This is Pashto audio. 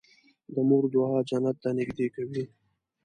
د مور دعا جنت ته نږدې کوي.